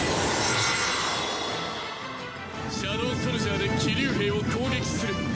シャドウソルジャーで騎竜兵を攻撃する。